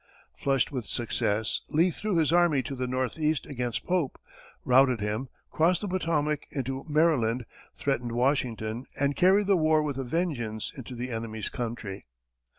Flushed with success, Lee threw his army to the northeast against Pope, routed him, crossed the Potomac into Maryland, threatened Washington, and carried the war with a vengeance into the enemy's country.